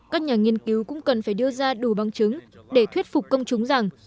các nhà nghiên cứu cũng cần phải đưa ra đủ bằng chứng để thuyết phục công chúng rằng